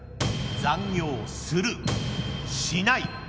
残業する、しない。